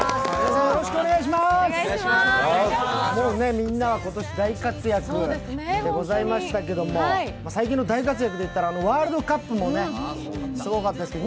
みんなは今年、大活躍でございましたけども、最近の大活躍でいったらワールドカップもすごかったですけど